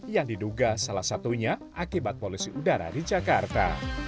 yang diduga salah satunya akibat polusi udara di jakarta